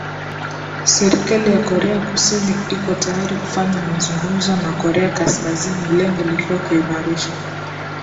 serikali ya korea kusini ikotayari kufanya mazungumzo na korea kaskazini lengo likiwa kuimarisha